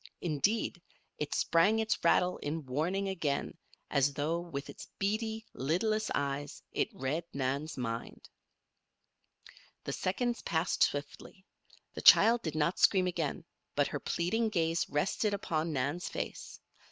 Indeed, it sprang its rattle in warning again as though, with its beady, lidless eyes, it read Nan's mind. The seconds passed swiftly. The child did not scream again, but her pleading gaze rested upon Nan's face.